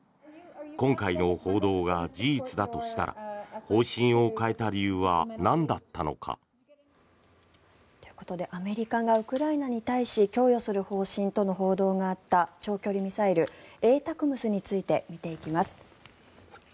今回の報道が事実だとしたら方針を変えた理由はなんだったのか。ということでアメリカがウクライナに対し供与する方針との報道があった長距離ミサイルＡＴＡＣＭＳについて見ていきます。